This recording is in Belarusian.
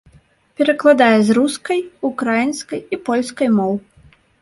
Перакладае з рускай, украінскай і польскай моў.